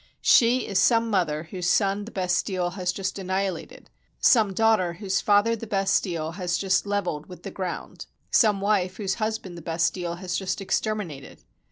She is some mother whose son the Bastille has just annihilated, some daughter whose father the Bastille has just lev elled with the ground, some wife whose husband the Bas tille has just exterminated.